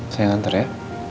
saya nganter ya